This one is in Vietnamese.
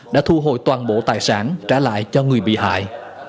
đã thu hồi toàn bộ tài sản trả lại cho người bị hại